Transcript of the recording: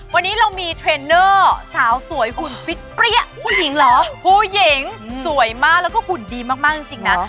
วันนี้เรามีเทรนเนอร์สาวสวยหุ่นฟิตเปรี้ยผู้หญิงเหรอผู้หญิงสวยมากแล้วก็หุ่นดีมากจริงนะ